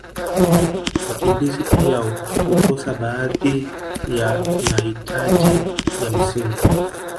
wakimbizi pia hukosa baadhi ya nahitaji ya msingi